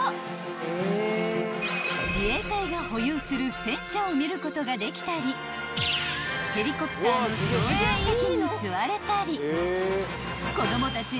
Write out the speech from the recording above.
［自衛隊が保有する戦車を見ることができたりヘリコプターの操縦席に座れたり子供たち